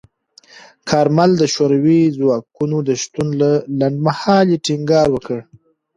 کارمل د شوروي ځواکونو د شتون د لنډمهالۍ ټینګار وکړ.